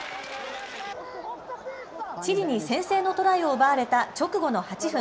チリに先制のトライを奪われた直後の８分。